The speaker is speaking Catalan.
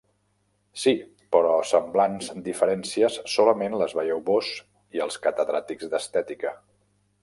-Sí, però semblants diferències solament les veieu vós i els catedràtics d'Estètica.